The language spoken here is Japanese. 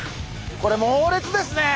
これ猛烈ですね！